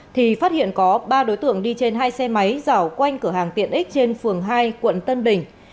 thì phát hiện có ba đối tượng đi trên hai xe máy giảo quanh cửa hàng tiện ích trên phường hai quận tân bình